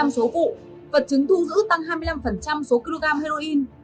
số vụ vật chứng thu giữ tăng hai mươi năm số kg heroin